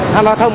tham gia thông